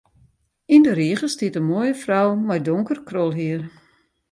Yn de rige stiet in moaie frou mei donker krolhier.